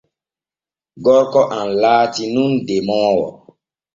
Gorko am laati nun demoowo.